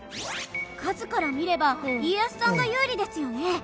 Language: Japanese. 数から見れば家康さんが有利ですよね。